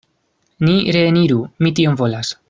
Ni reeniru; mi tion volas.